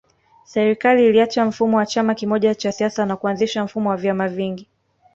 Serikali iliacha mfumo wa chama kimoja cha siasa na kuanzisha mfumo wa vyama vingi